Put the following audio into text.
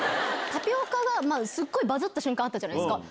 タピオカがすごいバズった瞬間あったじゃないですか。